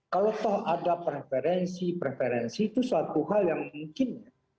kalau toh ada preferensi preferensi itu suatu hal yang mungkin